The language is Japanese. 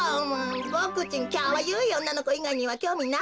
ボクちんきゃわゆいおんなのこいがいにはきょうみないですから。